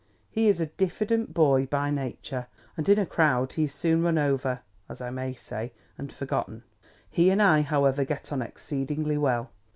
He is a diffident boy by nature; and in a crowd he is soon run over, as I may say, and forgotten. He and I, however, get on exceedingly well.